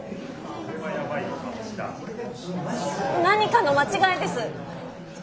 何かの間違いです！